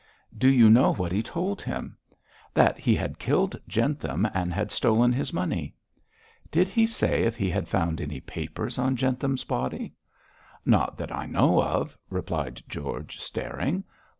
'Do you know what he told him?' 'That he had killed Jentham, and had stolen his money.' 'Did he say if he had found any papers on Jentham's body?' 'Not that I know of,' replied George, staring.